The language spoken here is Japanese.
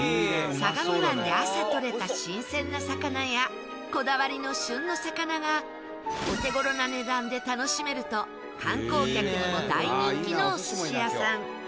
相模湾で朝とれた新鮮な魚やこだわりの旬の魚がお手頃な値段で楽しめると観光客にも大人気のお寿司屋さん。